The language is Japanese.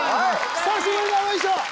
久しぶりのあの衣装